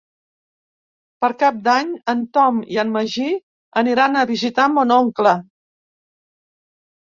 Per Cap d'Any en Tom i en Magí aniran a visitar mon oncle.